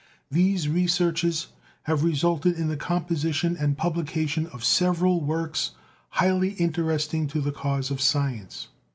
These researches have resulted in the composition and publication of several works highly interesting to the cause of science.